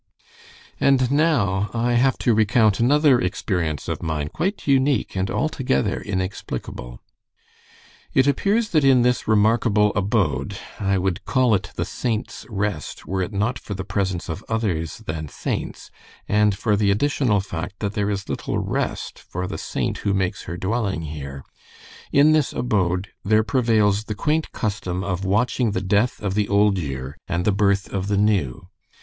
"And now I have to recount another experience of mine, quite unique and altogether inexplicable. It appears that in this remarkable abode I would call it 'The Saint's Rest' were it not for the presence of others than saints, and for the additional fact that there is little rest for the saint who makes her dwelling here in this abode there prevails the quaint custom of watching the death of the old year and the birth of the new.